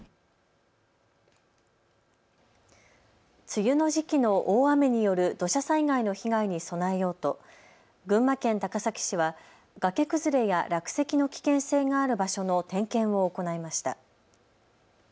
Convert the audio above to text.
梅雨の時期の大雨による土砂災害の被害に備えようと群馬県高崎市は崖崩れや落石の危険性がある場所の点検を行いました。